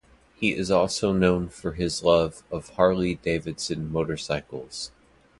He is also known for his love of Harley Davidson motorcycles.